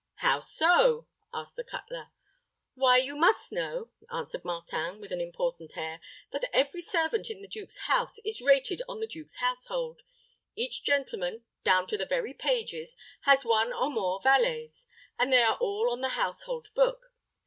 "How so?" asked the cutler. "Why, you must know," answered Martin, with an important air, "that every servant in the duke's house is rated on the duke's household. Each gentleman, down to the very pages, has one or more valets, and they are all on the household book.